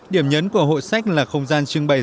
điểm nhấn của hội sách là không gian trưng bày